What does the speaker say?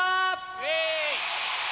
イエーイ！